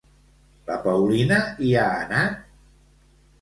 La Paulina hi ha anat?